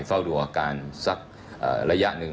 เฝ้าดูอาการสักระยะหนึ่ง